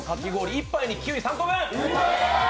１杯にキウイ３個分！